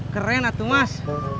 keren atu mas